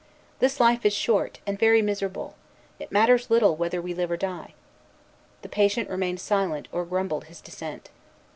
"This life is short, and very miserable. It matters little whether we live or die." The patient remained silent, or grumbled his dissent.